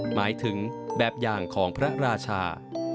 หมายถึงแบบอย่างของพระราชา